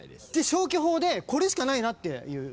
消去法でこれしかないなって。